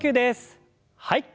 はい。